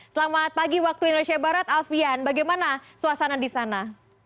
selamat pagi waktu indonesia barat alfian bagaimana suasana di sana